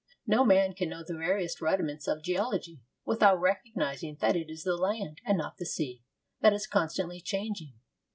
No man can know the veriest rudiments of geology without recognizing that it is the land, and not the sea, that is constantly changing.